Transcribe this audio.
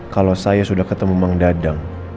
kalau saya sudah ketemu bang dadang